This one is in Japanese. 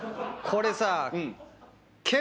これさ健